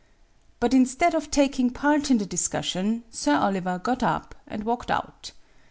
But instead of taking part in the dis cussion Sir Oliver got up and walked out.